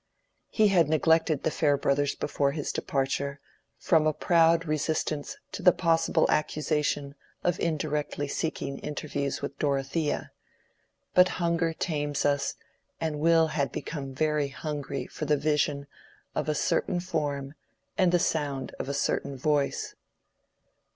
He had neglected the Farebrothers before his departure, from a proud resistance to the possible accusation of indirectly seeking interviews with Dorothea; but hunger tames us, and Will had become very hungry for the vision of a certain form and the sound of a certain voice.